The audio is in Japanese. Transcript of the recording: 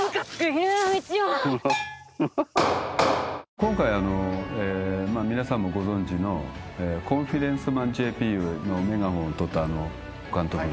今回皆さんもご存じの『コンフィデンスマンＪＰ』のメガホンを執った監督が。